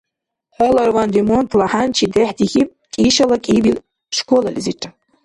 Гьаларван ремонтла хӀянчи дехӀдихьиб КӀишала кӀиибил школализирра.